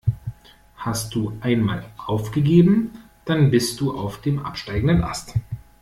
Hast du einmal aufgegeben, dann bist du auf dem absteigenden Ast.